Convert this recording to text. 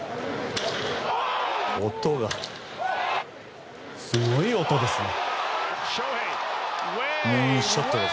音がすごい音ですね。